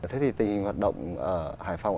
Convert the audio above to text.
thế thì tình hình hoạt động hải phòng